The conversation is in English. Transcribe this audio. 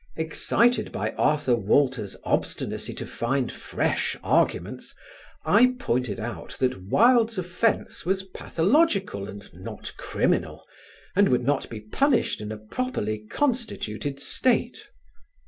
Excited by Arthur Walter's obstinacy to find fresh arguments, I pointed out that Wilde's offence was pathological and not criminal and would not be punished in a properly constituted state.